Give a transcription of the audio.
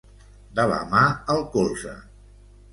De la mà al colze.